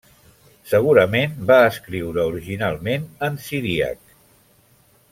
Segurament va escriure originalment en siríac.